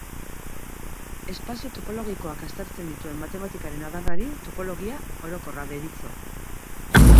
Espazio topologikoak aztertzen dituen matematikaren adarrari topologia orokorra deritzo.